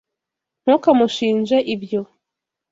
Ntukamushinje ibyo.